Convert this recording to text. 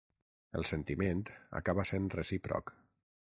El sentiment acaba sent recíproc.